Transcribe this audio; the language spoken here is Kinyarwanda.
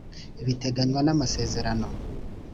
biteganywa namasezerano .